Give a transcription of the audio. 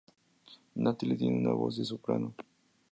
Natalie tiene una voz de soprano.